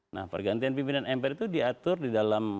nah pergantian pimpinan mpr itu diatur di dalam